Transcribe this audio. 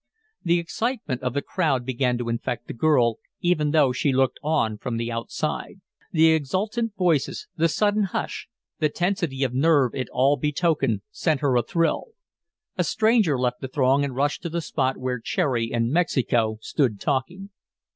The excitement of the crowd began to infect the girl, even though she looked on from the outside. The exultant voices, the sudden hush, the tensity of nerve it all betokened, set her a thrill. A stranger left the throng and rushed to the spot where Cherry and Mexico stood talking.